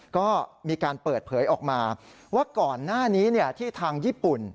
ก็มีการเปิดเผยออกมาว่าก่อนหน้านี้ที่ทางญี่ปุ่น